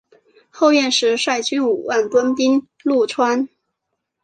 后燕时率军五万屯兵潞川。